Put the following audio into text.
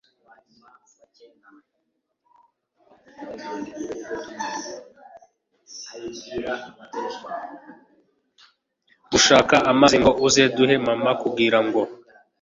gushaka amazi ngo aze duhe mama kugira ngo